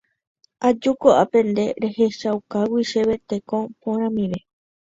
Aju ko'ápe nde rehechaukágui chéve teko porãmive.